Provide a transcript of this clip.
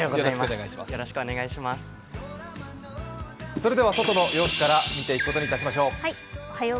それでは外の様子から見ていくことにしましょう。